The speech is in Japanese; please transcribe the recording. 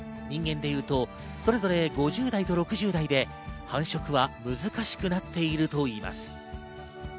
人間でいうと、それぞれ５０代と６０代で繁殖は難しくなっているといいます。